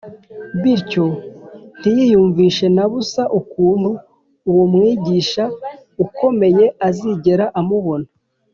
bityo ntiyiyumvishe na busa ukuntu uwo mwigisha ukomeye azigera amubona